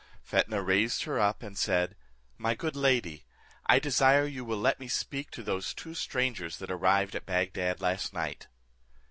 Fetnah raised her up, and said, "My good lady, I desire you will let me speak with those two strangers that arrived at Bagdad last night."